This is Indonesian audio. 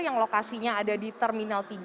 yang lokasinya ada di terminal tiga